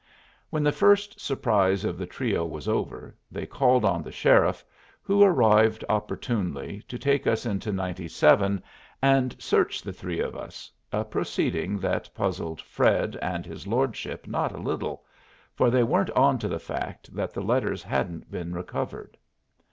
When the first surprise of the trio was over, they called on the sheriff, who arrived opportunely, to take us into 97 and search the three of us, a proceeding that puzzled Fred and his lordship not a little, for they weren't on to the fact that the letters hadn't been recovered.